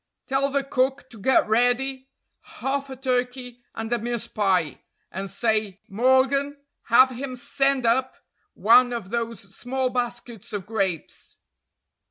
Tell the cook to get ready half a turkey and a mince pie, and say, Morgan, have him send up one of those small baskets of grapes.